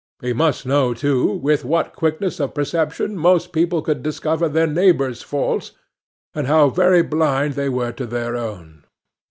He must know, too, with what quickness of perception most people could discover their neighbour's faults, and how very blind they were to their own.